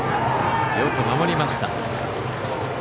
よく守りました。